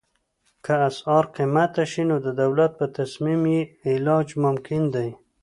که اسعار قیمته شي نو د دولت په تصمیم یې علاج ممکن دی.